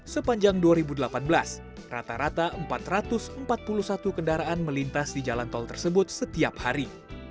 sepanjang dua ribu delapan belas rata rata empat ratus empat puluh satu kendaraan melintas di jalan tol tersebut setiap hari